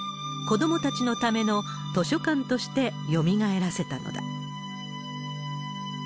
子どもたちのための図書館としてよみがえらせたのだ。